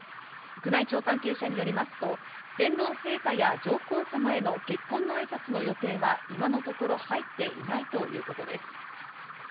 宮内庁関係者によりますと、天皇陛下や上皇さまへの結婚の挨拶の予定は今のところ入っていないということです。